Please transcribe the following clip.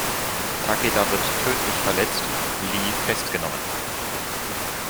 Takeda wird tödlich verletzt, Lee festgenommen.